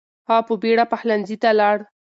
هغه په بیړه پخلنځي ته لاړ.